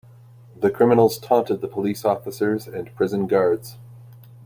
The criminals taunted the police officers and prison guards.